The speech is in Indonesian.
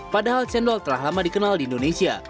padahal cendol telah lama dikenal di indonesia